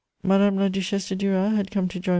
Madame la Duchesse de Duras had come to join M.